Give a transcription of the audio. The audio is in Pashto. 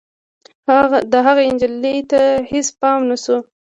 د هغه نجلۍ ته هېڅ پام نه شو.